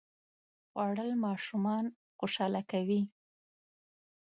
خوړل ماشومان خوشاله کوي